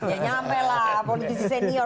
ya nyampe lah politisi senior